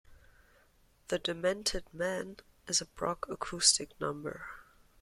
"The Demented Man" is a Brock acoustic number.